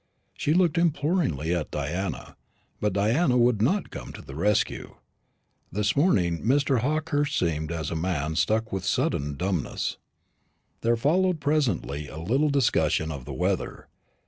She looked imploringly at Diana; but Diana would not come to the rescue; and this morning Mr. Hawkehurst seemed as a man struck with sudden dumbness. There followed presently a little discussion of the weather.